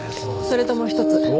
それともう一つ。